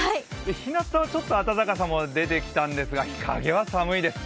日なたはちょっと暖かさも出てきたんですが日陰は寒いです。